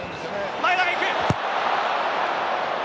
前田が行く。